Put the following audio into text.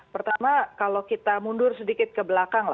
pertama kalau kita mundur sedikit ke belakang